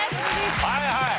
はいはい。